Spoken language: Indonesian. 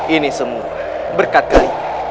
ini semua berkat kalian